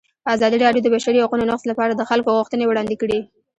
ازادي راډیو د د بشري حقونو نقض لپاره د خلکو غوښتنې وړاندې کړي.